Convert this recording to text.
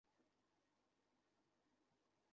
হাত দুটো উপরে তোলো।